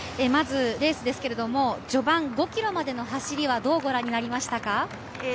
まず、レースですけど序盤５キロまでの走りはどうご覧になりましたか？